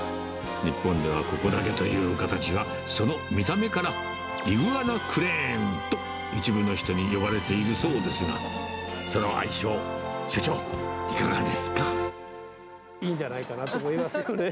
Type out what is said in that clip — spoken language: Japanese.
日本ではここだけという形は、その見た目から、イグアナクレーンと、一部の人に呼ばれているそうですが、いいんじゃないかなと思いますよね。